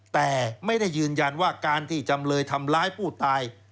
แต่ไม่ได้ยืนยันว่าการที่จำเลยทำร้ายผู้ตาย